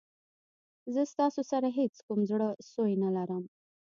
زه ستاسو سره هېڅ کوم زړه سوی نه لرم.